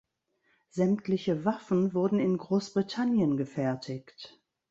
Sämtliche Waffen wurden in Großbritannien gefertigt.